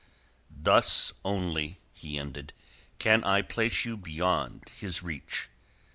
"Thus only," he ended, "can I place you beyond his reach."